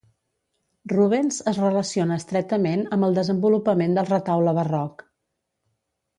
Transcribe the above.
Rubens es relaciona estretament amb el desenvolupament del retaule barroc.